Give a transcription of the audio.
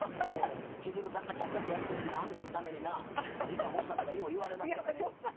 千鶴さんが、ちゃっちゃとやってるのにあんたのために、時間押したとかよう言われますからね。